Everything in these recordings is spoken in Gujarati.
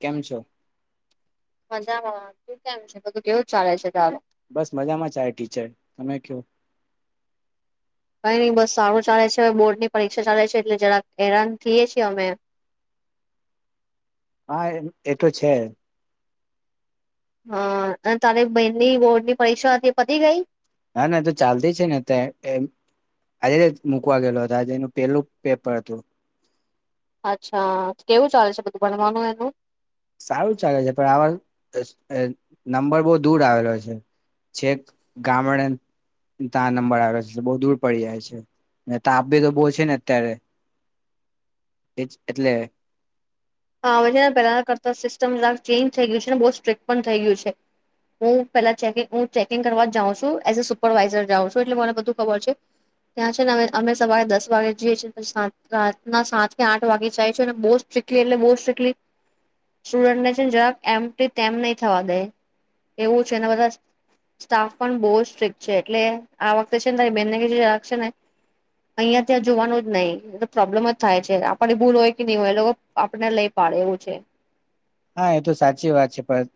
કેમ છો મજામાં, તું કેમ છે બધું કેવું ચાલે છે તારે? બસ મજામાં ચાય ટીચર, તમે ક્યો? કઈ નઈ બસ સારું ચાલે છે હવે બોર્ડની પરીક્ષા ચાલે છે એટલે જરાક હેરાન થીએ છે અમે હા એ એ તો છે હા અને તારી બહેનની બોર્ડની પરીક્ષા હતી એ પતી ગઈ? ના ના અજુ ચાલતી છે ને અત્યારે એ આજેજ મુકવા ગયેલો હતો, આજે એનું પેલું પેપર હતું. અચ્છા કેવું ચાલે છે બધું ભણવાનું એનું? સારું ચાલે છે પણ આવા અસ એ નંબર બહુ દૂર આવેલો છે, છેક ગામડેન તા નંબર આવેલો છે, એતે બહુ દૂર પડી જાય છે, ને તાપ બી તો બો છે ને અત્યારે, એ એટલે હા હવે છે ને પેલાના કરતા સિસ્ટમક જલાક ચેન્જ થઇ ગયું છે ને બો સ્ટ્રીક્ટ પણ થઈ ગયું છે, હું પેલા ચે હું ચેકિંગ કરવા જાઉં છું એઝ અ સુપરવાઈઝર જાઉં છું એટલે મને બધું ખબર છે, ત્યાં છે ને અમે અમે સવારે દસ વાગે જીયેન છે પછ સા રાતના સાત કે આઠ વાગે જાય છું અને બો સ્ટ્રીક્ ટલી એટલે બો સ્ટ્રીકટલી સ્ટુડન્ટને છે ને જરાક એમ તેમ નહી થવા દે, એવું છેને બધા સ્ટાફ પણ બહ સ્ટ્રીક છે એટલે આ વખતે છે ને તારી બેહેનને કે જે જરાક છે ને અહિયાં ત્યાં જોવાનું જ નહી, એ પ્રોબ્લેમ જ થાય છે આપની ભૂલ હોય કે ની હોય અ લોકો આપને લઈ પાડે એવું છે. હા એ તો સાચી વાત છે પણ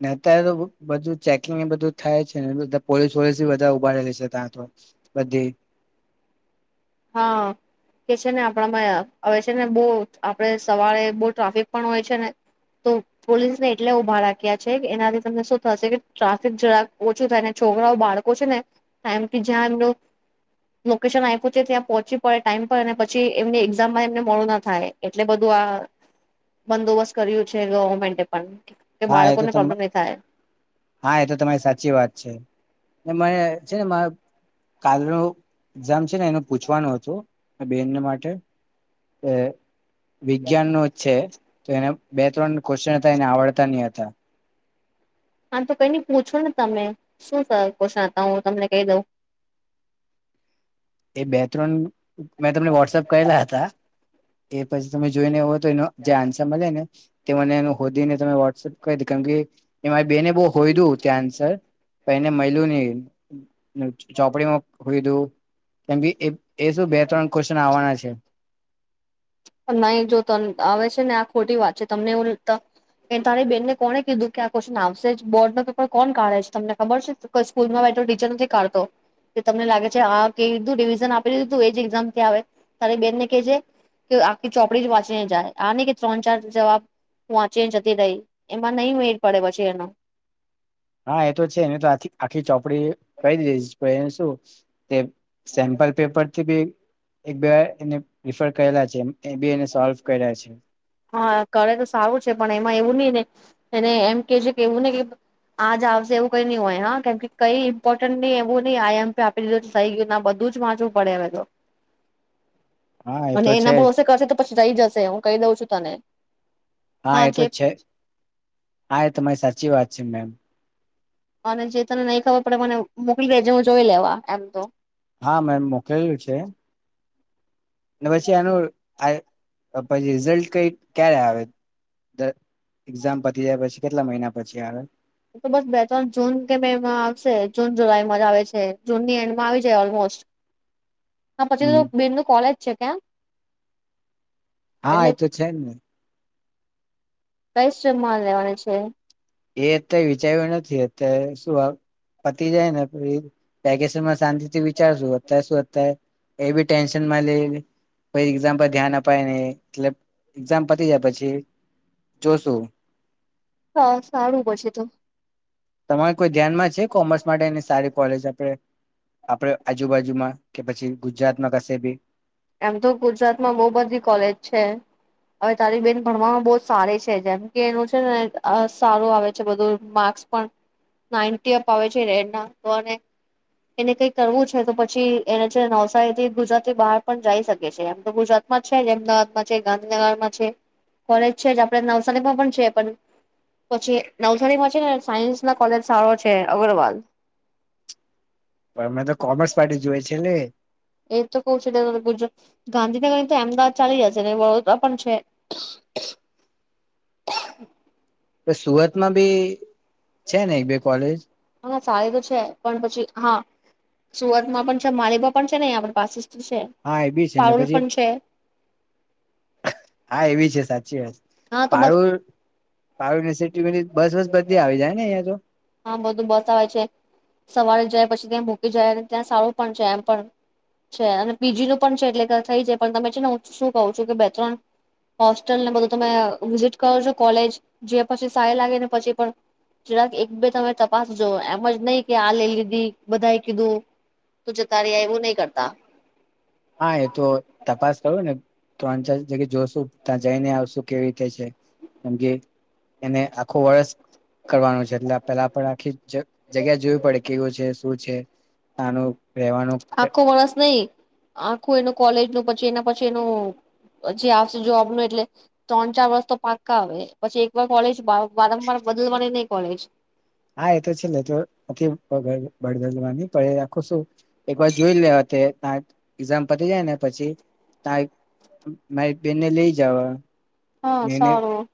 ને અત્યારે તો બધું ચેકિંગ એ બધું થાય છે ને બધ પોલીસ વલીસ બધા ઉભાડેલી છે તા તો, બધી હા કે છે ને આપણામાં હવે છે ને બહ આપડ સવારે બહ ટ્રાફિક પણ હોય છે ને તો પોલીસને એટલે ઉભા રાખ્યા છે કે એનાથી તમને શું થશે કે ટ્રાફિક જરાક ઓછું થાય ને છોકરાઓ બાળકો છે ટાઈમ થી જ્યાં એમનું લોકેશન આયપું ત્યાં પહોંચી પડે ટાઈમ પર પછી એમની એક્ઝામ માં એમને મળું ના થાય, એટલે બધું આ બંદોબસ્ત કર્યું છે ગવર્મેન્ટે પણ કે હા એ તો બાળકોને પ્રોબ્લેમ તમેં, નહી થાય હા એ તો તમારી સાચી વાત છે. એને છે ને માર કાલનું એક્ઝામ છે ને એનું પૂછવાનું હતું મરી બેનને માટે. એ વિજ્ઞાન નું જ છે તો એને બે ત્રણ ક્વોશ્ચન હતા એને આવડ હતા. હા તો કઈ ની પૂછો ને તમે શું સ કોષણતા, હું તમને કઈ દઉં. એ બે ત્રણ મેં તમને વૉટ્સએપ કરેલા હતા. એ પછી તમે જોઈ ને એવું હો તો એનો જે આન્સર મલેને, તે મને એના હોધીને તમે વૉટ્સએપ કરીડ કાન કે એ મારી બેને બહુ હોયદું ચાન્સર પળ એને મૈલુ ની, મ ચોપડીમાં હોઇધું કેમ કે એ એ શું બે ત્રણ ક્વોશ્ચન આવાના છે. નહી જો ત આવે છે ને આ ખોટી વાત છે તમને એવુ ત તારી બેનને કોને કીધું કે આ ક્વોશ્ચન આવશે જ, બોર્ડ ન પેપર કોણ કાઢે છે તમને ખબર છે, કોઈ સ્કૂલમાં બેઠો ટીચર નથી કાઢતો, કે તમને લાગે છે આ કીધું રિવિઝન આપી દીધું એજ એક્ઝામથી આવે, તારી બેનને કેજે કે આખી ચોપડી જ વાંચીને જાય, આ ની કે ત્રણ ચાર જવાબ વાંચીને જતી રહી, એમાં નઇ મેડ પડે પછી એનો. હા એ તો છે, એને તો આ આખી ચોપડી કરી દીધી જ પણ એને શું, તે સેમ્પલ પેપર થી બે એક બેવા એને રિફર કરેલા છે એમ હા કરે તો સારું છે પણ એમાં એવું નઈ ને એને એમ કે છે કે એવું નહી કે આજ આવશે એવું કઈ નઈ હોય હા કેમ કઈ ઇમ્પોર્ટન્ટ નહી એવું નહી આઈ એમ આપી દીધું થઈ ગયું બધું જ વાંચવું પડે હવે તો હા એ અને તો છે એના જ. બસે કરશે તો કઈ જશે હું કહી દઉં છું તને હા એ તો જ છે હા એ તમારી સાચ ચી વાત છે મેમ અને જે તને નહી ખબર પડે મને મોકલી દેજે હું જોઈ લેવા એમ તો હા મેમ ન પછી એનું આ અ પછી રિઝલ્ટ કઈ ક્યારે આવે દ એક્ઝામ પતી જાય પછી કેટલા મહિના પછી આવે તો બસ બે ત્રણ જૂન કે મેમાં આવશે જૂન જુલાઈમાં જ આવે છે જૂનની એન્ડમાં આવી જાય ઓલમોસ્ટ હ પછી તો હમ બેનનું કોલેજ છે કેમ હા એ તો છે જ ને કઈ સીમમાં લેવાનું છે? એ અત્યારે વિચાર્યું નથી અત્યારે શું આ પતી જાય ને તો [unintelligible] પેકેમાં શાંતિથી વિચાર શું અત્યારે શું અત્યારે એ બી ટેન્શનમાં લઈને પઈ એક્ઝામ પર ધ્યાન અપાય નઈ એટલે એક્ઝામ પતી જાય પછી જોશું. હા સારું પછી તો તમારે કોઈ ધ્યાનમાં છે કોમર્સ માટે એની સારી કોલેજ આપડે આપડે આજુબાજુમાં કે પછી ગુજરાતમાં કશે બી એમ તો ગુજરાતમાં બહુ બધી કોલેજ છે. હવે તારી બેન ભણવામાં બઉ સારી છે જેમ કે એનું છે ને અ સારું આવે છે બધું માર્ક્સ પણ નાઈન્ટી અપ આવે છે રડ [inaudible] એને કઈ કરવું છે તો પછી એને છેને નવસારીથી ગુજરાતી બહાર પણ જઈ શકે છે. આમ તો ગુજરાતમાં છે. જ અમદાવાદમાં છે. ગાંધીનગરમાં છે. કોલેજ છે જ આપડા નવસારીમાં પણ છે પણ પછી નવસારીમાં છે ને સાયન્સ ના કોલેજ સારો છે અગ્રવાલ પણ અમે તો કોમર્સ પાર્ટી જોઈએ છે ને એ તો કવું છું ગુજ- ગાંધીનગર તો અમદાવાદ ચાલી જશે ને વડોદરા પણ છે. તો સુરતમાં બી છે ને એક બે કોલેજ સારી તો છે પણ પછી હા સુરતમાં પણ છે માલેબા પણ છે અહી પાસે જ છે હા એ બી છે ને પારુલ પછી પણ છે હા એવી છે સાચી વાત હા તો બસ પારૂલ તારું નશીબ [inaudible] બસ વસ બધી આવી જાય ને અહિયાં તો હા બધું બસ આવે છે સવારે જાય પછી ત્યાં મૂકી જાય ત્યાં સારું પણ છે, એમ પણ છે, અને પીજી નું પણ છે, એટલે થઈ જાય પણ તમે છે, ને હું શું કહું છું કે બે ત્રણ હોસ્ટલ ને બધું તમે વિઝિટ કરજો કોલેજ જે પછી સારુ લાગેને પછી પણ જરાક એક બે તમે તપાસજો, એમ જ નહી કે આ લે લીધી બધાએ કીધું તું, જતા રયા એવું નહી કરતા. હા એ તો તપાસ કરું ને, ત્રોન ચાર જગ્યા જો- ત્યાં જઈને આવશું કેવી, - કેશે કેમ કે, એને આખું વર્ષ કરવાનું છે એટલે પેલા પણ આખી જ જગ્યા જોવી પડે કેવું છે શું છે. આનું આખો માણસ નય, આખું એનું કોલેજનું પછી એના પછી એનું હજુ આવશે જોબનું, એટલે ત્રણ ચાર વર્ષ તો પાક્કા આવે પછી એકવાર કોલેજ [inaudible] વારંવાર બદલવાની નહિ. કોલેજ હા એ તો છેલ્લે તો [unintelligible] બળદલવા ની [unintelligible] રાખું છું એક વાર જોઈ લે તે, એક્ઝામ પતી જાય ને પછી [inaudible] મારી બેનને લઈ જાવ. હા મેને સારું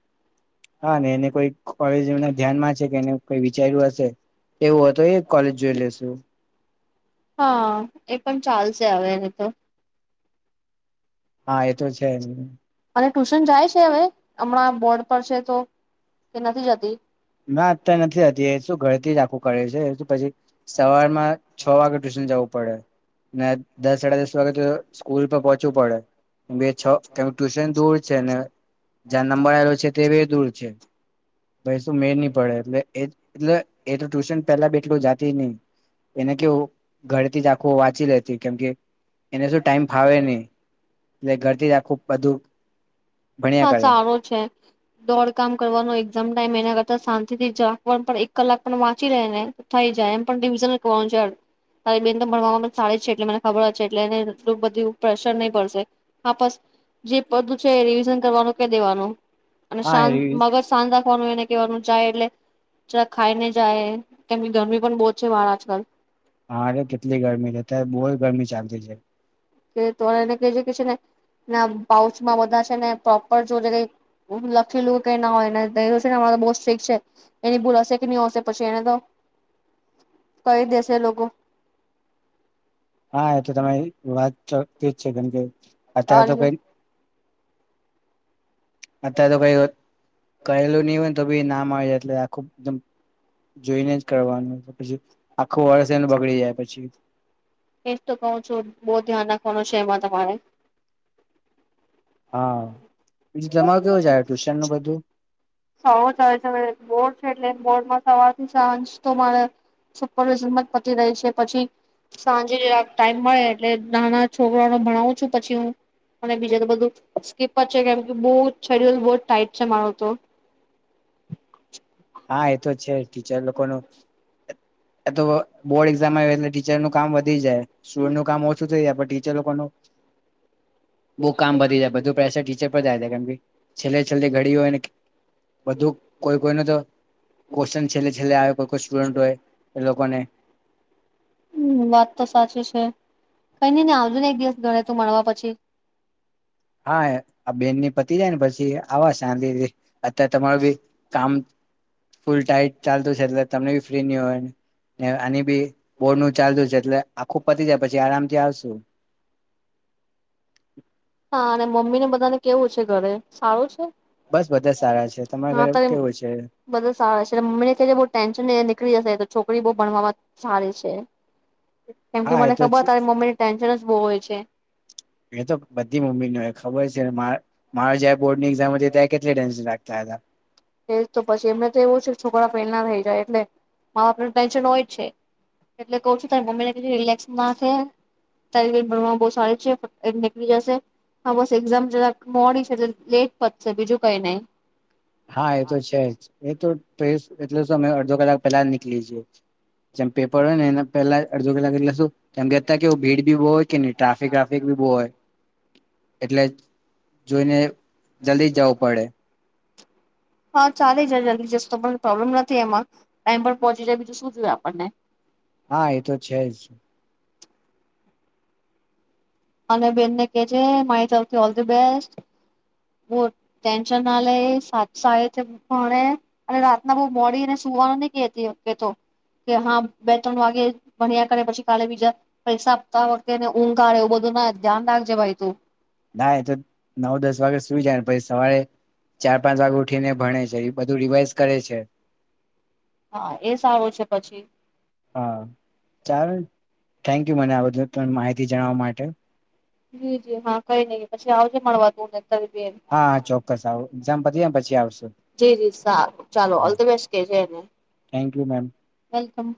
હા [inaudible] મેને કોઈ કોલેજ એમને ધ્યાનમાં છે કે એને, કોઈ વિચાર્યું હશે તો એવું હોય તો, એ કોલેજ જોઈ લેશુ. હા એ પણ ચાલશે હવે તો, હા એ તો છે. અને ટ્યુશન જાય છે, હવે હમણાં બોર્ડ પર છે તો કે નથી જતી. ના અત્યારે નથી જતી એ શું ઘરથી જ આપે, લોકો કરે છે એ તો પછી સવારમાં છ વાગે ટ્યુશન જવું પડે ના દસ સાડા દસ વાગે તો, સ્કૂલ પર પહોંચવું પડે બે છ, કે ટ્યુશન દૂર છે, ને જ્યાં નંબર આવેલો છે તે બી દૂર છે. બસ, મેડ નહી પડે એટલે એટલે એ તો ટ્યુશન [unintelligible] પેલા આટલું જાતી નહિ, એને કેવું, ઘરે થી જ આખુ વાંચી લેતી કેમ કે, એને શું ટાઈમ ફાવે નહી. લે ઘરથી જ આખું બધું, ભણ્યા હા કરે સારો છે, દોડ કામ કરવાનો એક્ઝામ ટાઈમ એના કરતા, તે શાંતિથી [inaudible] પણ એક કલાક પણ વાંચી લે ને થઈ જાય, એમ પણ રિવિઝન જ કરવાનું છે, તારી બેહેન તો ભણવામાં સારી જ છે એટલે મને ખબર જ છે એટલે એને એટલું બધું પ્રેશર નહી પડશે. હા બસ જે બધું છે રીવીઝન, કરવાનું કે દેવાનું, અને હા શાંત મગજ શાંત રાખ, વાનું, એને કેવાનું જાય એટલે જાય એટલે ખાઈ ને જાય કેમ કે ગરમી પણ બહુ જ છે, બાર આજકાલ, હારે કેટલી ગરમી રહેતા બહુ ગરમી. ચાલતી છે. કે તો એને કહી છે કે છે ને પાઉચમાં બધા છે ને પ્રોપર જો ક લખી લઉ કઈ ના હોય ને તો બહ સ્ટ્રીક છે એની ભૂલ હશે કે નહી હશે પછી એને તો કરીહી દેશે લોકો. હા એ તો તમારી વાત તો તેજ છે જેમ કે અત્યારે તો કોઈ અત્યારે તો કઈ કહેલુ નહી તો ના મળ એટલે આ ખુબ એકદમ જોઈને જ કરવાનું પછી આખું વર્ષ એનુ બગડી જાય પછી એજ તો કહું છું બો ધ્યાન રાખવાનું છે એમાં તમારે હા બીજું તમારુ કેવુ જાય ટ્યુશન નું બધું સવ થાય છે બોડ છે એટલે બોર્ડમાં સવારથી સાંજ તો મારે સુપરવિઝનમાં જ પતિ રહે છે પછી સાંજે ટાઈમ મળે એટલે નાના છોકરાને ભણાવું છું પછી હુ અને બીજું બધું તો સ્કીપ છે કેમકે બોવ શેડ્યુલ ટાઈમ છે મારો તો હા એ તો જ છે. ટીચર લોકો નો એ તો બોર્ડ એક્ઝામ આવે એટલે ટીચરનું કામ વધી જાય. સ્ટુડન્ટનું કામ ઓછું થઈ જાય પણ ટીચર લોકો નું બહુ કામ વધી જાય બધું પ્રેસર ટીચર પર જાય જાય કેમ કે છેલ્લે છેલ્લે ઘડી હોય બધું કોઈ કોઈ ન તો કોસ્ચન છેલ્લે છેલ્લે આવે કોઈ કોઈ સ્ટુડન્ટ હોય એ લોકોને હમ્મ વાત તો સાચી છે. કઈ નઈ ને આવજો ને એક દિવસ ઘરે તું મળવા પછી. હા આ બેનની પતિ જાય ને પછી આવા શાંતિથી. અત્યારે તમારું બી કામ ફૂલ ટાઈટ ચાલતું છે. એટલે તમને બી ફ્રી નહી હોય, આની બી બોર્ડ નું ચાલતું છે એટલે આખું પતી જાય પછી આરામ થી આવશું. હા અને મમ્મી ને બધાને કેવું છે ઘરે સારું છે? બસ બધા સારા છે તમારા હા ઘરે તો કેવું છે બધા સારા છે. મમ્મી ને કે બવ ટેન્શન નીકળી જશે. છોકરી બહુ ભણવા સારી છે. એમ કે હા મને એ તો ખબર તારી મમ્મી ટેન્શન જ બહુ હોય છે. એ તો બધી મમ્મી નય ખબર છે. મારો જ્યાં બોર્ડ ની એક્ઝામ હતી ત્યાં કેટલી ટેન્શન રાખતા હતા. તો પછી એમને તો એવું છે છોકરા ફેલ ના થઈ જાય, એટલે મા બાપ ટેન્શન હોય જ છે. એટલે કેવ‌ છું તારી મમ્મીને રિલેક્સ ના થ બ સારી છે નીકળી જશે હ બસ એામ મોડી છે એ લેટ પશે બીજું કઈ નહી હા એ તો છે જ એ તો એટલે શું અમે અડધો કલાક પેલા નીકળી જીએ જેમ પેપર હોય ને એના પેલા અડધો કલાક એટલે શું કે ગહેતા કે ભીડ ભી બહુ હોય. કે ન ટ્રાફિક વ્રાફિક ભી બહુ હોય. એટલે જોઈને જલ્દી જવું પડે. હા ચાલે જાય જલ્દી જસ્તો પણ પ્રોબ્લેમ નથી એમાં ટાઈમ પર પહોંચી જાય બીજું શું જોયું આપણને. હા એ તો છે જ અને બેનને કેજે મારી તરફથી ઓલ ધ બેસ્ટ બો‌ ટેન્શન ના લે [unintelligible] અને બહુ સારી રીતે ભણે, રાતના બઉ મોડી એને સુવાનું નહી કેતી કહેતો કે હા બે ત્રણ વાગે ભણ્યા કરે પછી કાલે બીજા પરીક્ષા આપતા વખતે એને ઊંઘ [unintelligible] એવું બધું. જરા ધ્યાન રાખજે ભાઈ તું. ના એ તો નવ દસ વાગે સુઈ જાય અને પછી સવારે ચાર પાંચ વાગે ઉઠીને ભણે છે એ બધું રિવાઈઝ કરે છે. હા એ સારું છે પછી. હા ચાલો થેન્ક યુ મને આ બધું તને માહિતી જણાવવા માટે. જી જી હા કઈ નઈ પછી આવજે મળવા તુંને હા હા ચોક્કસ એક્ઝામ પતી જાય ને પછી. આવશે. જી જી, સારું. ચાલો ઓલ ધ બેસ્ટ કે છેને. Thank you, ma'am. વેલકમ.